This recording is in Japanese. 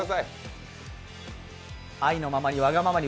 「愛のままにわがままに」